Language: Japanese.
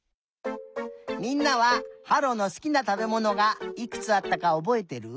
みんなははろのすきなたべものがいくつあったかおぼえてる？